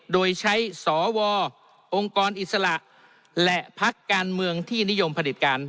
โดยใช้สวองค์กรอิสระและพักการเมืองที่นิยมผลิตการ